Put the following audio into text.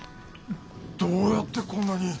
どうやってこんなに。